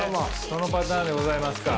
そのパターンでございますか。